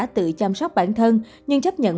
tự chăm sóc bản thân nhưng chấp nhận